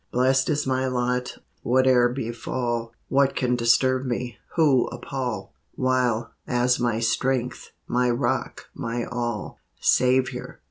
Blest is my lot, whate'er befall; What can disturb me, who appall, While, as my Strength, my Rock, my All, Saviour!